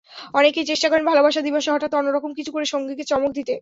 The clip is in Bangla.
অনেকেই চেষ্টা করেন ভালোবাসা দিবসে হঠাৎ অন্য রকম কিছু করে সঙ্গীকে চমক দিতে।